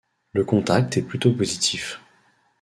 Le contact est plutôt positif.